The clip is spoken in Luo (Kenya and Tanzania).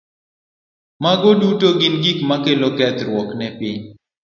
Mago duto gin gik makelo kethruok ne piny.